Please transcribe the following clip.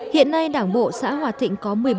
hiện nay đảng bộ xã hòa thịnh có một mươi bảy tri bộ